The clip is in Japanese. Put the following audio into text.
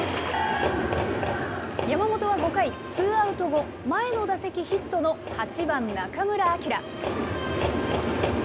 山本は５回、ツーアウト後、前の打席ヒットの８番中村晃。